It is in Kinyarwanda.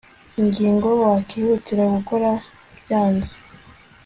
ingingo wakihutira gukora byanze